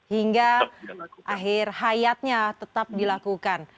hingga akhir hayatnya tetap dilakukan